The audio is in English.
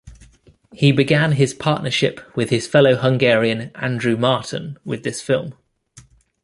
He began his partnership with his fellow Hungarian Andrew Marton with this film.